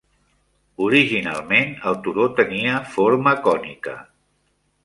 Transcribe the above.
Originalment, el turó tenia forma cònica.